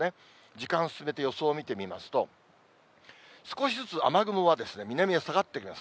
時間進めて予想を見てみますと、少しずつ雨雲は南へ下がってきます。